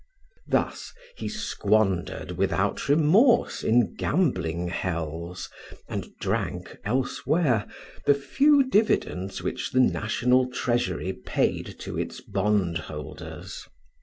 Thus he squandered without remorse in gambling hells, and drank elsewhere, the few dividends which the National Treasury paid to its bondholders.